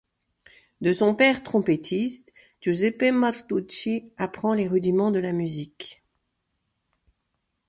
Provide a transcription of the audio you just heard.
De son père trompettiste, Giuseppe Martucci apprend les rudiments de la musique.